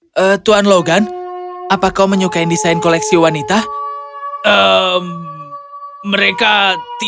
semoga fay qujon jangan terlepas tetap agar membuat sebarang ohbrane yang bisa dicampur di tempat kerja system